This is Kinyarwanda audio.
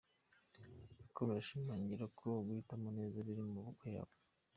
Yakomeje ashimangira ko guhitamo neza biri mu maboko yabo.